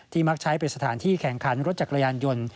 มักใช้เป็นสถานที่แข่งขันรถจักรยานยนต์